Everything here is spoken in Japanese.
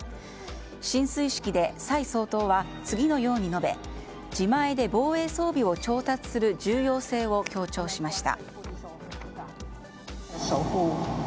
進水式で蔡総統は次のように述べ自前で防衛装備を調達する重要性を強調しました。